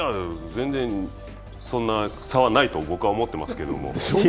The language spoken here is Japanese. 全然、そんな差はないと僕は思ってますけど。